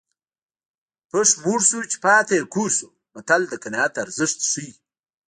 پښ موړ شو چې پاته یې کور شو متل د قناعت ارزښت ښيي